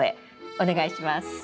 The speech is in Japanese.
お願いします。